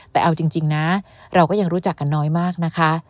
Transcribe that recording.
แต่เอาจริงนะเราก็ยังรู้จักกันน้อยมากนะคะ